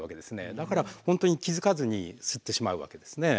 だから本当に気付かずに吸ってしまうわけですね。